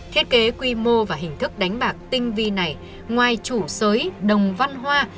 thiết kế quy mô và hình thức đánh bạc tinh vi này ngoài chủ sới đồng văn hoa